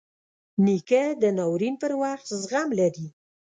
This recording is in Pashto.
نیکه د ناورین پر وخت زغم لري.